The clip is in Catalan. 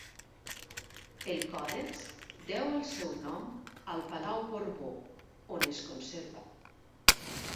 El còdex deu el seu nom al palau Borbó, on es conserva.